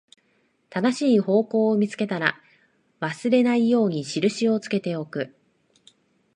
正しい方向を見つけたら、忘れないように印をつけておく